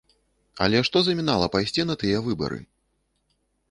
Але што замінала пайсці на тыя выбары?